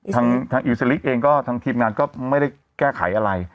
ทางอิวสลิกเองก็ทางทีมงานก็ไม่ได้แก้ไขอะไร